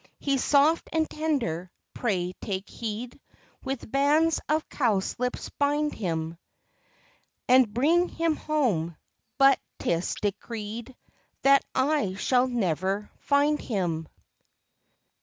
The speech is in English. He's soft and tender, pray take heed, With bands of cowslips bind him, And bring him home; but 'tis decreed That I shall never find him.